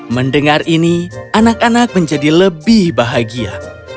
mendengar ini anak anak menjadi lebih bahagia